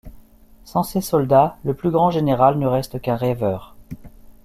Sans ses soldats, le plus grand général ne reste qu’un rêveur.